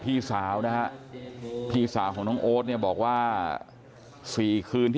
พี่สาวนะฮะพี่สาวของน้องโอ๊ตเนี่ยบอกว่า๔คืนที่